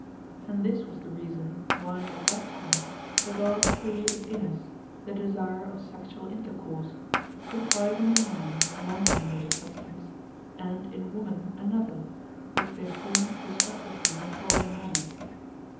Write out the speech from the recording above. And this was the reason why at that time the gods created in us the desire of sexual intercourse, contriving in man one animated substance, and in woman another, which they formed respectively in the following manner.